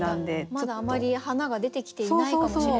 まだあまり花が出てきていないかもしれない。